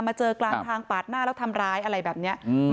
เจอกลางทางปาดหน้าแล้วทำร้ายอะไรแบบนี้